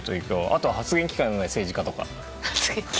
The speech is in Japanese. あとは発言機会のない政治家とか。